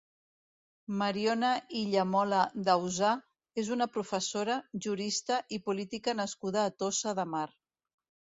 Mariona Illamola Dausà és una professora, jurista i política nascuda a Tossa de Mar.